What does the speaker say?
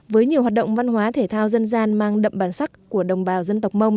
với nhiều hoạt động văn hóa thể thao dân gian mang đậm bản sắc của đồng bào dân tộc mông